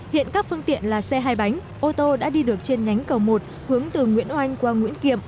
hiện các phương tiện là xe hai bánh ô tô đã đi được trên nhánh cầu một hướng từ nguyễn oanh qua nguyễn kiệm